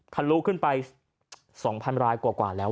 ทะลุขึ้นไป๒๐๐รายกว่าแล้ว